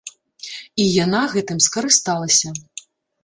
І яна гэтым скарысталася.